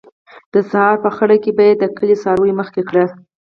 د سهار په خړه کې به یې د کلي څاروي مخکې کړل.